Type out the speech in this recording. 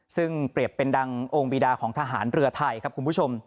ซึ่งเปรียบเป็นดังองค์บีดาของทหารเรือไทยครับคุณผู้ชม